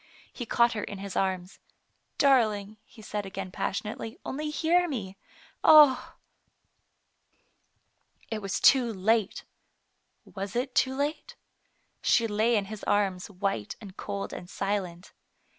He caught her in his arms. " Darling, he said again passionately, " only hear me. Ah !" It was too late ! Was it too late ? She lay in his arms white and cold and silent.